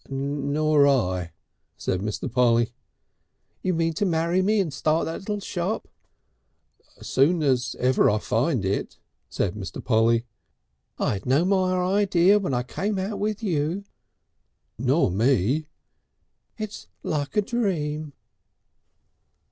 "Nor I," said Mr. Polly. "You mean to marry me and start that little shop " "Soon as ever I find it," said Mr. Polly. "I had no more idea when I came out with you " "Nor me!" "It's like a dream."